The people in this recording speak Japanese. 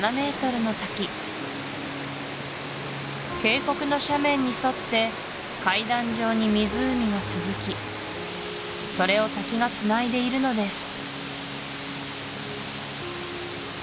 ７ｍの滝渓谷の斜面に沿って階段状に湖が続きそれを滝がつないでいるのです